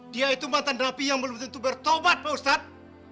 dia itu mantan rapi yang belum tentu bertobat pak ustadz